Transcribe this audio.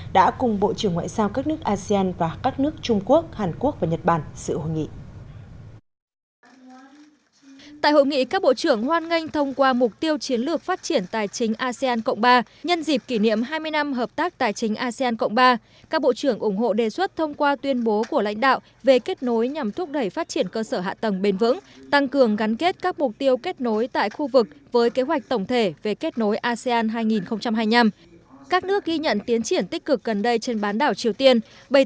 đồng chí phạm bình minh ủy viên bộ chính trị phó thủ tướng bộ trưởng bộ ngoại giao đã cùng bộ trưởng ngoại giao các nước asean và các nước trung quốc hàn quốc và nhật bản sự hội nghị